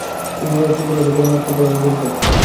তিনি New York সিটিতে একই ধরনের এক কোম্পানিতে যোগ দেন।